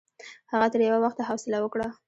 هغه تر یوه وخته حوصله وکړه.